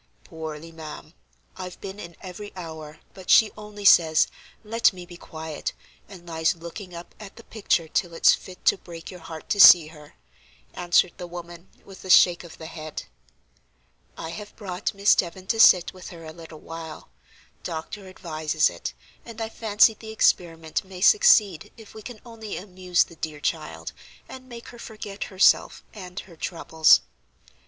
"Poorly, ma'am. I've been in every hour, but she only says: 'Let me be quiet,' and lies looking up at the picture till it's fit to break your heart to see her," answered the woman, with a shake of the head. "I have brought Miss Devon to sit with her a little while. Doctor advises it, and I fancy the experiment may succeed if we can only amuse the dear child, and make her forget herself and her troubles."